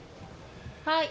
はい。